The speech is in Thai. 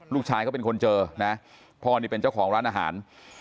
ลูกชายเขาเป็นคนเจอนะพ่อนี่เป็นเจ้าของร้านอาหาร